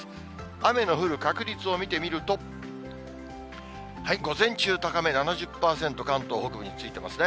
雨の降る確率を見てみると、午前中高め、７０％、関東北部についてますね。